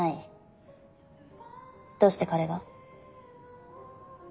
どうして彼が？